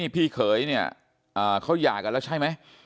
พี่เขยเนี่ยเขาหย่ากันแล้วใช่ไหม